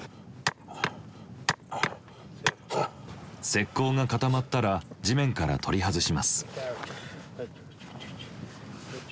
石こうが固まったら地面から取り外します。